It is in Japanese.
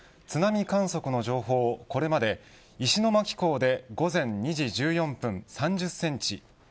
津波観測の情報をこれまで石巻港で午前２時１４分３０センチ